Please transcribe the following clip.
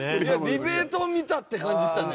ディベートを見たって感じしたね。